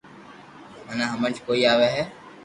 مني ھمج ڪوئي آوي ھي